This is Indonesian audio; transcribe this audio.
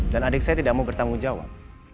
dan adik saya tidak mau bertanggung jawab